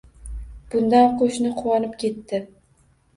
Bundan qoʻshni quvonib ketdi